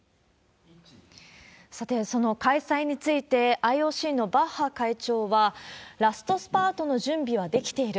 さて、その開催について、ＩＯＣのバッハ会長は、ラストスパートの準備は出来ている。